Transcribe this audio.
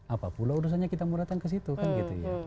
apapun urusannya kita mau datang ke situ kan gitu ya